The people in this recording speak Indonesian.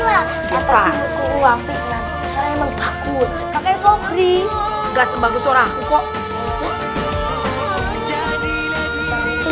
gak sebagus suara aku kok